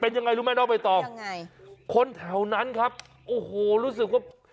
ยังไงรู้ไหมน้องใบตองยังไงคนแถวนั้นครับโอ้โหรู้สึกว่า